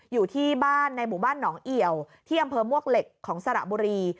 อยู่ที่บ้านในหมู่บ้านหนองเอี่ยวที่อำเภอมวกเหล็กของสระบุรี